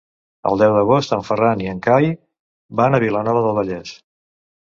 El deu d'agost en Ferran i en Cai van a Vilanova del Vallès.